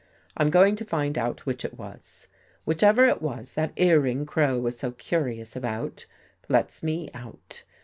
I'm going to find out which it was. Whichever it was, that earring Crow was so curious about, lets me out.